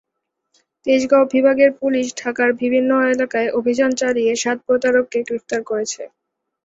তেজগাঁও বিভাগের পুলিশ ঢাকার বিভিন্ন এলাকায় অভিযান চালিয়ে সাত প্রতারককে গ্রেপ্তার করেছে।